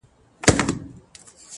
پرمختګ د جرئت او هڅې ملګرتیا ده’